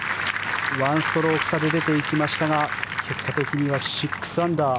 １ストローク差で出ていきましたが結果的には６アンダー。